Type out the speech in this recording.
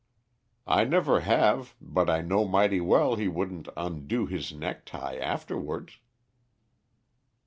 "I never have, but I know mighty well he wouldn't undo his necktie afterwards."